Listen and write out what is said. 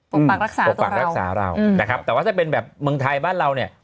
รักษาปกปักรักษาเรานะครับแต่ว่าถ้าเป็นแบบเมืองไทยบ้านเราเนี่ย